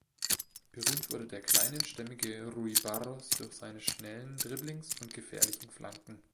Berühmt wurde der kleine, stämmige Rui Barros durch seine schnellen Dribblings und gefährlichen Flanken.